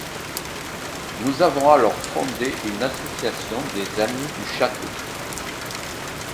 Nous avons alors fondé une Association des amis du château.